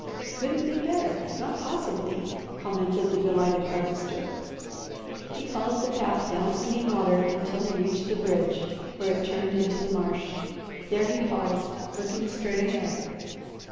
"Couldn't be better, not possibly!" commented the delighted Harvester. He followed the path down Singing Water until he reached the bridge where it turned into the marsh. There he paused, looking straight ahead.